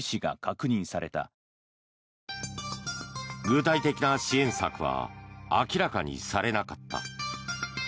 具体的な支援策は明らかにされなかった。